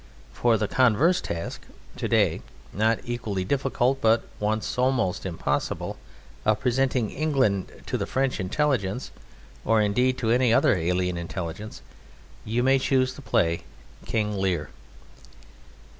For the converse task, to day not equally difficult but once almost impossible, of presenting England to the French intelligence or, indeed, to any other alien intelligence you may choose the play "King Lear."